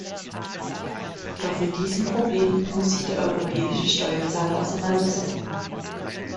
Doch mit diesem Problem muss sich der europäische Steuerzahler auseinandersetzen.